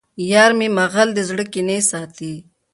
یارمی مغل د زړه کینې ساتي